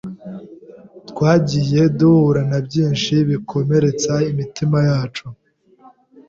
twagiye duhura na byinshi bikomeretsa imitima yacu